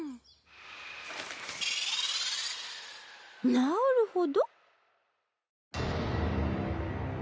なるほど。